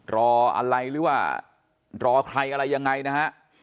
รออะไรหรือว่ารอใครอะไรยังไงนะฮะ